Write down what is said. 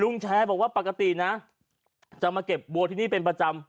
แชร์บอกว่าปกตินะจะมาเก็บบัวที่นี่เป็นประจำ